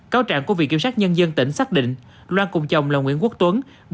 cáo trạng của viện kiểm soát nhân dân tỉnh xác định loạn cùng chồng là nguyễn quốc tuấn